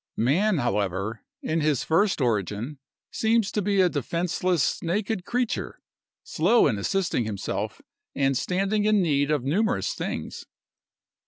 Man, however, in his first origin, seems to be a defenceless, naked creature, slow in assisting himself, and standing in need of numerous things.